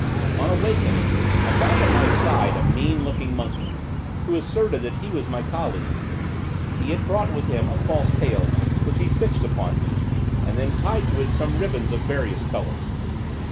On awakening, I found at my side a mean looking monkey, who asserted that he was my colleague: He had brought with him a false tail, which he fixed upon me, and then tied to it some ribbons of various colors.